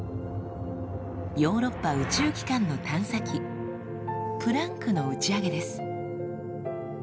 ヨーロッパ宇宙機関の探査機「プランク」の打ち上げです。